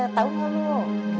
tau gak lo